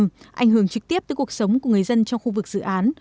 ảnh hưởng trực tiếp tới cuộc sống của người dân trong khu vực dự án